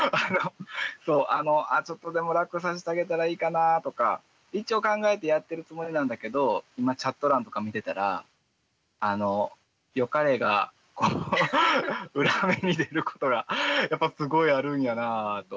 あのちょっとでも楽させてあげたらいいかなとか一応考えてやってるつもりなんだけど今チャット欄とか見てたら「よかれ」が裏目に出ることがやっぱすごいあるんやなぁと思って。